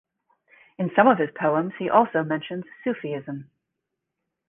In some of his poems, he also mentions sufism.